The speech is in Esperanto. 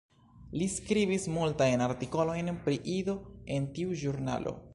Li skribis multajn artikolojn pri Ido en tiu ĵurnalo.